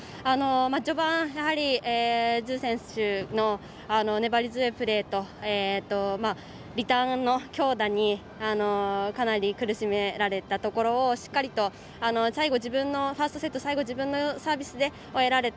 序盤、朱選手の粘り強いプレーとリターンの強打にかなり苦しめられたところをしっかりと最後自分のサービスで終えられた。